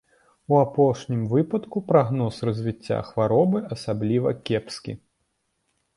У апошнім выпадку прагноз развіцця хваробы асабліва кепскі.